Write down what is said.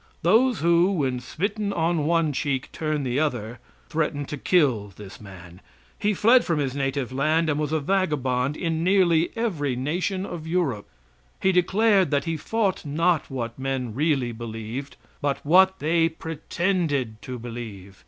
Those who, when smitten on one cheek turn the other, threatened to kill this man. He fled from his native land and was a vagabond in nearly every nation of Europe. He declared that he fought not what men really believed, but what they pretended to believe.